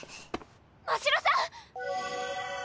ましろさん